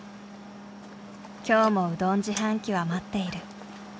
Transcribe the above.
今日もうどん自販機は待っている。